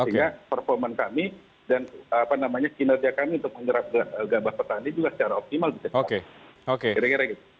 sehingga performa kami dan kinerja kami untuk menyerap gabah petani juga secara optimal bisa cepat